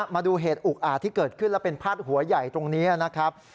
มาดูเหตุอุกอาจที่เกิดขึ้นและเป็นพาดหัวใหญ่ตรงนี้นะครับ